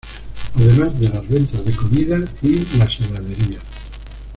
Además de las ventas de comida y las heladerías.